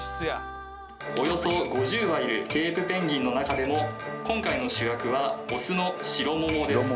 およそ５０羽いるケープペンギンの中でも今回の主役はオスの白桃です